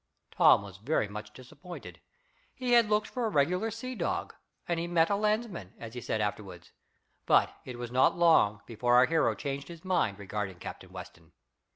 Tom was very much disappointed. He had looked for a regular sea dog, and he met a landsman, as he said afterward. But it was not long before our hero changed his mind regarding Captain Weston.